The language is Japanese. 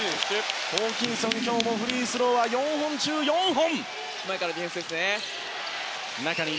ホーキンソン、今日もフリースローは４本中４本！